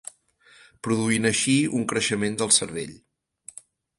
Produint així un creixement del cervell.